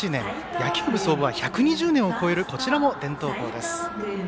野球部創部は１００年を超えるこちらも伝統校です。